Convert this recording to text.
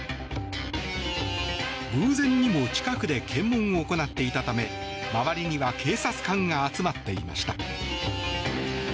偶然にも近くで検問を行っていたため周りには警察官が集まっていました。